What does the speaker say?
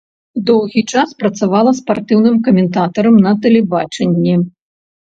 Доўгі час працавала спартыўным каментатарам на тэлебачанні.